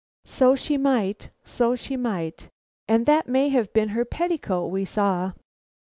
"So she might, so she might, and that may have been her petticoat we saw."